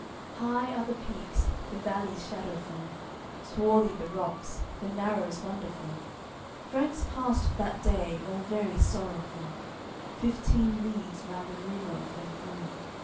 AOI. LXVI High are the peaks, the valleys shadowful, Swarthy the rocks, the narrows wonderful. Franks passed that day all very sorrowful, Fifteen leagues round the rumour of them grew.